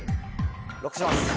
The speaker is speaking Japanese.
ＬＯＣＫします。